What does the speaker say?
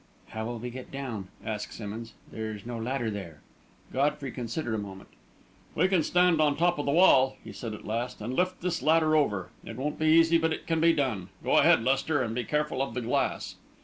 "How will we get down?" asked Simmonds. "There's no ladder there." Godfrey considered a moment. "We can stand on the top of the wall," he said, at last, "and lift this ladder over. It won't be easy, but it can be done. Go ahead, Lester, and be careful of the glass."